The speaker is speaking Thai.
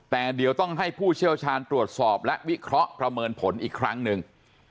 แต่เดี๋ยวต้องให้ผู้เชี่ยวชาญตรวจสอบและวิเคราะห์ประเมินผลอีกครั้งหนึ่ง